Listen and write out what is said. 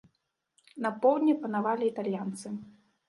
На поўдні панавалі італьянцы.